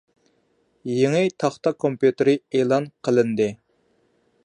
يېڭى تاختا كومپيۇتېرى ئېلان قىلىندى.